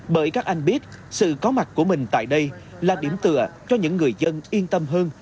bởi các anh biết sự có mặt của mình tại đây là điểm tựa cho những người dân yên tâm hơn